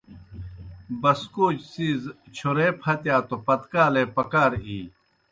بسکوچوْ څِیز چھورے پھتِیا توْ پتکالے پکار اِی۔